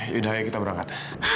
yaudah ayo kita berangkat